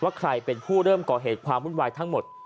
ใครเป็นผู้เริ่มก่อเหตุความวุ่นวายทั้งหมด